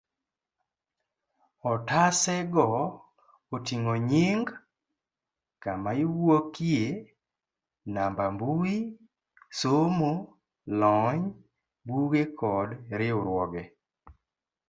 otase go oting'o nying, kama iwuokie, namba mbui, somo, lony, buge kod riwruoge